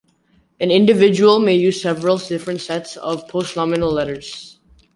An individual may use several different sets of post-nominal letters.